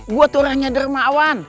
gue tuh orangnya dermawan